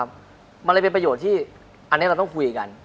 มันเลยเป็นประโยชน์ที่อันนี้เราต้องคุยกัน